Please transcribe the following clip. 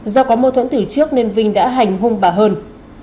do có mâu thuẫn từ trước nên vinh đã hành hung bà hơn